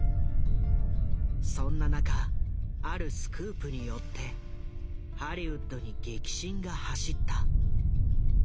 そんな中あるスクープによってハリウッドに激震が走った。